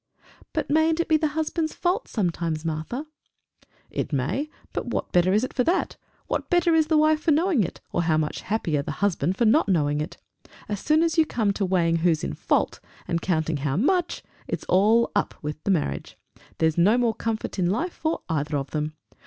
"But mayn't it be the husband's fault sometimes, Martha?" "It may; but what better is it for that? What better is the wife for knowing it, or how much happier the husband for not knowing it? As soon as you come to weighing who's in fault, and counting how much, it's all up with the marriage. There's no more comfort in life for either of them!